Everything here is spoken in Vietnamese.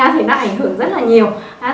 thì nó ảnh hưởng rất là nhiều